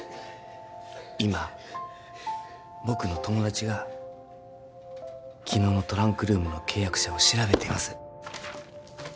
今僕の友達が昨日のトランクルームの契約者を調べています